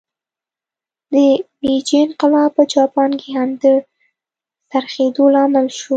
د میجي انقلاب په جاپان کې هم د څرخېدو لامل شو.